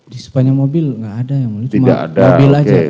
di sepanjang mobil gak ada yang mulia